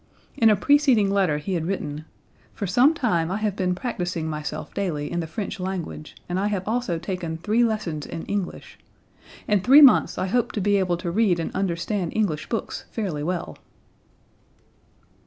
In a preceding letter he had written: "For some time I have been practicing myself daily in the French language, and I have also taken three lessons in English. In three months I hope to be able to read and understand English books fairly well.")